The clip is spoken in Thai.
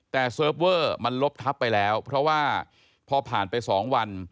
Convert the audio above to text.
แต่เซิร์ฟเวอร์มันลบทับไปแล้วเพราะว่าพอผ่านไป๒วัน